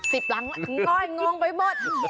สิบหลังง้อยงงไปหมด